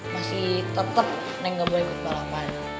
masih tetep neng gak boleh ikut palapan